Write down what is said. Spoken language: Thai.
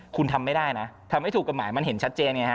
คุณทำไม่ได้นะทำให้ถูกกฎหมายมันเห็นชัดเจนไงฮะ